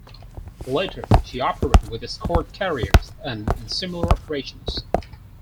Later, she operated with escort carriers and in similar operations.